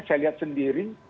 saya lihat sendiri